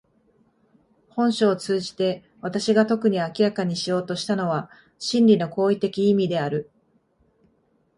本書を通じて私が特に明らかにしようとしたのは真理の行為的意味である。